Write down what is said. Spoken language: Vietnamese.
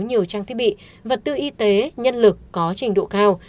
nhiều trang thiết bị vật tư y tế nhân lực có trình độ cao